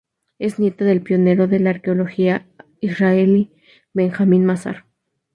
Es nieta del pionero de la arqueología israelí Benjamin Mazar.